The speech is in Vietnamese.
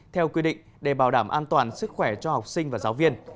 theo quy định để bảo đảm an toàn sức khỏe cho học sinh và giáo viên